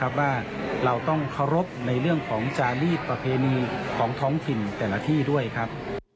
ว่าเราต้องเคารพในเรื่องของจารีสประเพณีของท้องถิ่นแต่ละที่ด้วยครับ